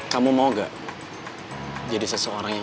kamu juga pasti lapar kan